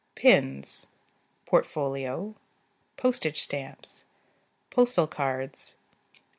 Pins. Portfolio. Postage stamps. Postal cards.